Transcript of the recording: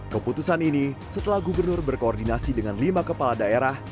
keputusan ini setelah gubernur berkoordinasi dengan lima kepala daerah